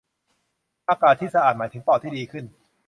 อากาศที่สะอาดหมายถึงปอดที่ดีขึ้น